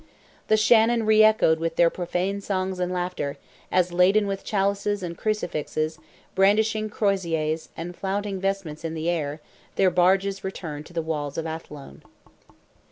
The Shannon re echoed with their profane songs and laughter, as laden with chalices and crucifixes, brandishing croziers, and flaunting vestments in the air, their barges returned to the walls of Athlone.